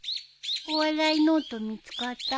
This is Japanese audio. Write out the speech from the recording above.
お笑いノート見つかった？